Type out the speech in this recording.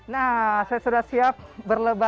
nah saya sudah siap berlebihan